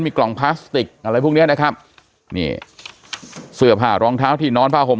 มีกล่องพลาสติกอะไรพวกเนี้ยนะครับนี่เสื้อผ้ารองเท้าที่นอนผ้าห่ม